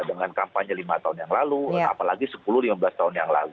dengan kampanye lima tahun yang lalu apalagi sepuluh lima belas tahun yang lalu